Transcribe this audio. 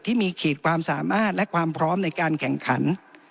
ที่มีขีดความสามารถและความพร้อมในการแข่งขัน